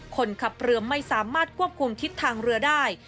คนขับเรือไม่สามารถควบคุมทิศทางเรือได้